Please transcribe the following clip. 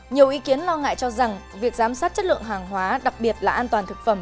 nhiều ý kiến lo ngại cho rằng việc giám sát chất lượng hàng hóa đặc biệt là an toàn thực phẩm